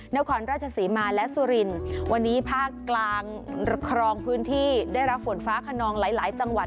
นครราชศรีมาและสุรินวันนี้ภาคกลางครองพื้นที่ได้รับฝนฟ้าขนองหลายหลายจังหวัด